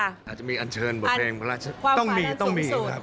อาจจะมีอันเชิญบทเพลงพระราชต้องมีต้องมีครับ